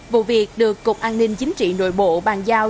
vụ việc được cục an ninh chính trị nội bộ bàn giao